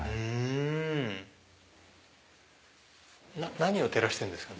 何を照らしてるんですか？